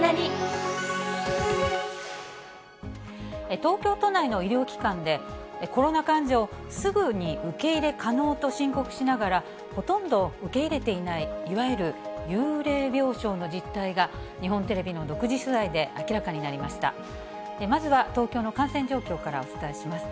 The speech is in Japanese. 東京都内の医療機関で、コロナ患者をすぐに受け入れ可能と申告しながら、ほとんど受け入れていない、いわゆる幽霊病床の実態が、日本テレビの独自取材で明らかになりました。